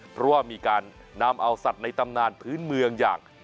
เพราะว่ามีการนำเอาสัตว์ในตำนานพื้นเมืองอย่าง